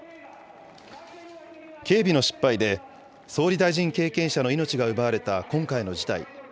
警備の失敗で、総理大臣経験者の命が奪われた今回の事態。